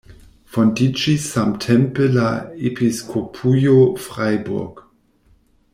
Fondiĝis samtempe la Episkopujo Freiburg.